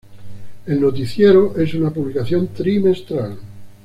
El "Noticiero" es una publicación trimestral.